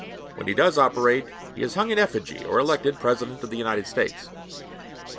When he does operate, he is hung in effigy or elected President of the United States.